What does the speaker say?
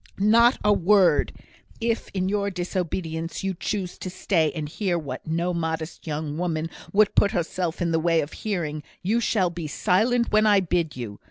"Not a word! If, in your disobedience, you choose to stay and hear what no modest young woman would put herself in the way of hearing, you shall be silent when I bid you.